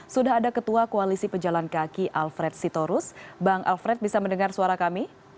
sudah ada ketua koalisi pejalan kaki alfred sitorus bang alfred bisa mendengar suara kami